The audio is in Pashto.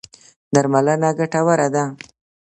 درملنه ګټوره ده.